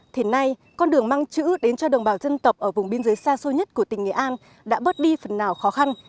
thì nay con đường mang chữ đến cho đồng bào dân tộc ở vùng biên giới xa xôi nhất của tỉnh nghệ an đã bớt đi phần nào khó khăn